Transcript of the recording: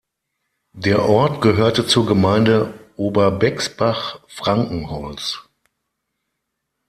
Der Ort gehörte zur Gemeinde Oberbexbach-Frankenholz.